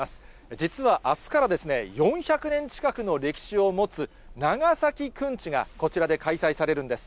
実はあすから、４００年近くの歴史を持つ、長崎くんちが、こちらで開催されるんです。